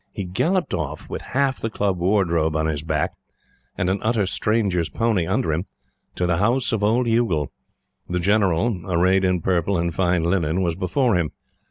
He galloped off, with half the Club wardrobe on his back, and an utter stranger's pony under him, to the house of old Youghal. The General, arrayed in purple and fine linen, was before him.